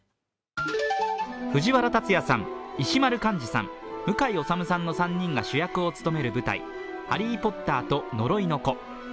藤原竜也さん、石丸幹二さん、向井理さんの３人が主役を務める舞台「ハリー・ポッターと呪いの子」。